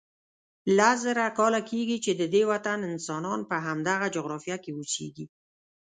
لس زره کاله کېږي چې ددې وطن انسانان په همدغه جغرافیه کې اوسیږي.